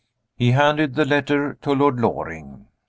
He handed the letter to Lord Loring.